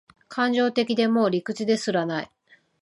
感情的で、もう理屈ですらない